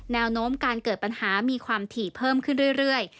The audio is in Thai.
แนวโน้มการเกิดปัญหามีความถี่เพิ่มขึ้นเรื่อย